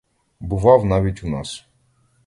Бував навіть у нас.